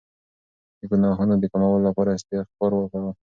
د ګناهونو د کمولو لپاره استغفار کوه.